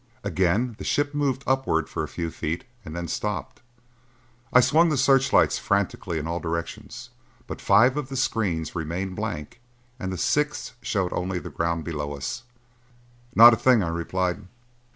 Again the ship moved upward for a few feet and then stopped. I swung the searchlights frantically in all directions, but five of the screens remained blank and the sixth showed only the ground below us. "Not a thing," I replied.